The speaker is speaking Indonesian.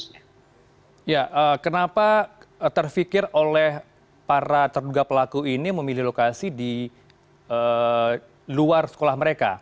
ya kenapa terfikir oleh para terduga pelaku ini memilih lokasi di luar sekolah mereka